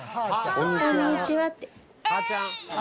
こんにちはって。